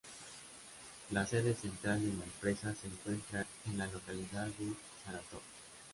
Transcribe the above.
La sede central de la empresa se encuentra en la localidad de Saratov.